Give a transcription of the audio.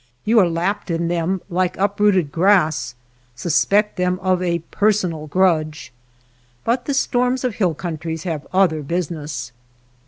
You are lapped in them like uprooted grass ; sus pect them of a personal grudge. But the storms of hill countries have other busi ness.